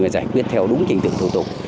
và giải quyết theo đúng trình tượng thủ tục